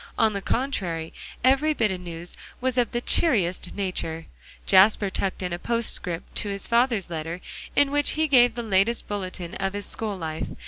On the contrary, every bit of news was of the cheeriest nature; Jasper tucked on a postscript to his father's letter, in which he gave the latest bulletin of his school life.